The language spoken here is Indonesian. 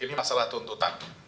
ini masalah tuntutan